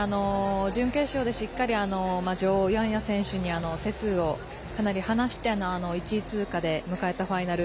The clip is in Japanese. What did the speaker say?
準決勝でしっかり女王ヤンヤ選手に手数を、かなり離しての１位通過で迎えたファイナル。